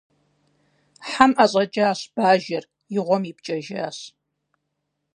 Хьэм ӏэщӏэкӏащ бажэр, и гъуэм ипкӏэжащ.